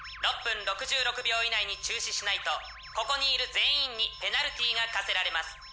６分６６秒以内に中止しないとここにいる全員にペナルティが科せられます。